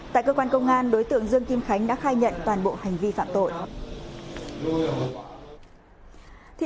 tại cơ quan công an đối tượng dương kim khánh đã khai nhận toàn bộ hành vi phạm tội